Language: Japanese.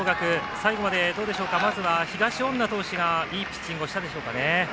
最後までどうでしょうかまずは東恩納投手がいいピッチングをしたでしょうかね。